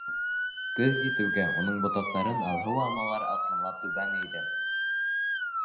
Көҙ етеүгә, уның ботаҡтарын алһыу алмалар аҡрынлап түбән эйҙе.